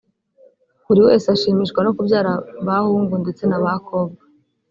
buri wese ashimishwa no kubyara bahungu ndetse n'abakobwa